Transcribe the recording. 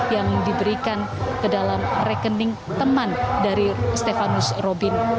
yang diberikan ke dalam rekening teman dari stefanus robin empat puluh tujuh